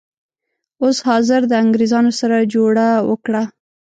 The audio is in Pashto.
اوس حاضر د انګریزانو سره جوړه وکړه.